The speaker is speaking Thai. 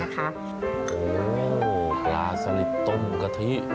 โอ้โหปลาสลิดต้มกะทิ